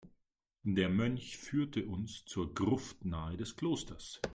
Der Mönch führte uns zur Gruft nahe des Klosters.